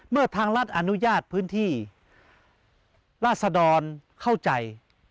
เมื่อทางรัฐอนุญาตพื้นที่ราศดรเข้าใจ